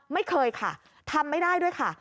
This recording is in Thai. ไม่เคยค่ะทำไม่ได้ด้วยค่ะ